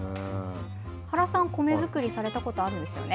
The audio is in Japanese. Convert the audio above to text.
原さん、米作りされたことあるんですよね。